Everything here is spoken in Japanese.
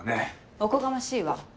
おこがましいわ。